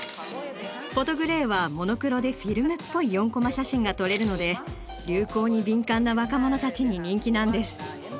フォトグレイはモノクロでフィルムっぽい４コマ写真が撮れるので流行に敏感な若者たちに人気なんです。